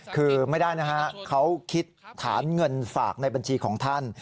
คือไม่ได้นะฮะเขาคิดฐานเงินฝากในบัญชีของท่าน